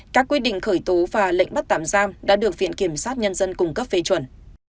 các quyết định khởi tố và lệnh bắt tạm giam đã được viện kiểm sát nhân dân cung cấp phê chuẩn